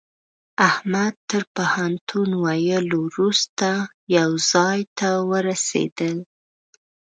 احمد تر پوهنتون ويلو روسته يوه ځای ته ورسېدل.